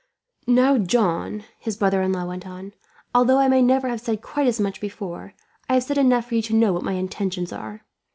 "Now, John," his brother in law went on, "although I may never have said quite as much before, I have said enough for you to know what my intentions are.